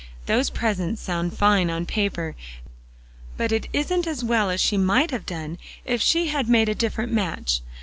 "Those presents sound fine on paper, but it isn't as well as she might have done if she had made a different match.